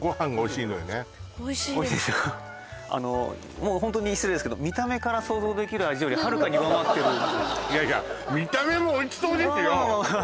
もうホントに失礼ですけど見た目から想像できる味よりはるかに上回ってる見た目もおいしそうですよ